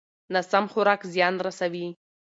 ناسم خوراک زیان رسوي.